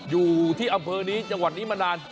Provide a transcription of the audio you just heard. อยู่ที่อำเภอนี้จังหวัดนี้มานาน